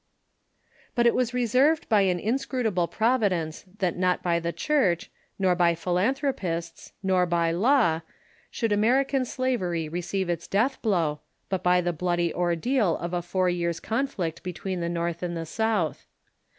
But it was reserved by an inscrutable Providence that not by the Church, nor by philanthropists, nor by law, should American slavery receive its death blow, but by the bloody ordeal of a four years' conflict between the North and the South.